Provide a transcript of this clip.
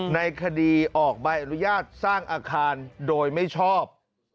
ในคดีออกใบอนุญาตสร้างอาคารโดยไม่ชอบ